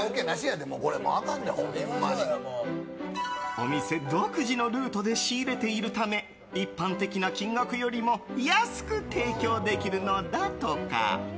お店独自のルートで仕入れているため一般的な金額よりも安く提供できるのだとか。